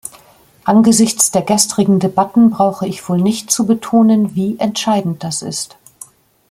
Angesichts der gestrigen Debatten brauche ich wohl nicht zu betonen, wie entscheidend das ist.